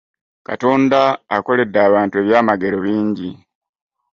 Katonda akolede abantu ebyamagero bingi.